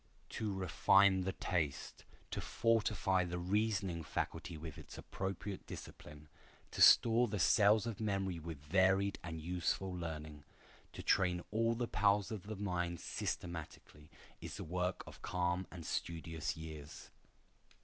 To refine the taste, to fortify the reasoning faculty with its appropriate discipline, to store the cells of memory with varied and useful learning, to train all the powers of the mind systematically, is the work of calm and studious years.